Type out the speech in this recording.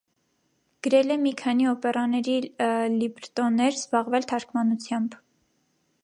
Գրել է մի քանի օպերաների լիբրտոներ, զբաղվել թարգմանությամբ։